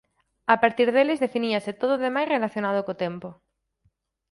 A partir deles definíase todo o demais relacionado co tempo.